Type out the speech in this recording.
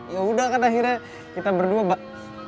ya udah kan akhirnya kita berdua mbak